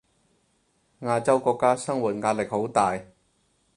亞洲國家生活壓力好大